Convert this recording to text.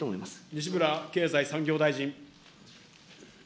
西村経済産業大臣。